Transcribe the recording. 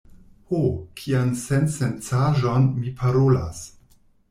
Ho, kian sensencaĵon mi parolas!